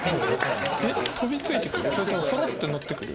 飛び付いて来る？